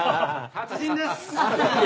達人です！